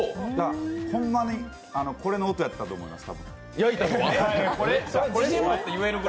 ほんまにこれの音やったと思います。